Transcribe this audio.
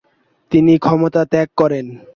তিনি ক্ষমতা ত্যাগ করেন।